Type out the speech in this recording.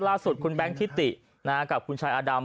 ล่าสุดคุณแบงค์ทิติกับคุณชายอาดำ